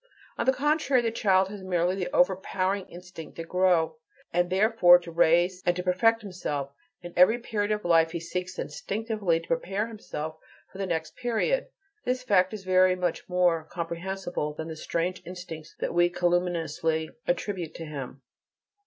On the contrary, the child has merely the overpowering instinct to "grow," and therefore to raise and to perfect himself; in every period of life he seeks instinctively to prepare himself for the next period. This fact is very much more comprehensible than the strange instincts we calumniously attribute to him.